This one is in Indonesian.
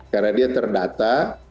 karena dia terdata